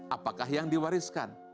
apakah yang diwariskan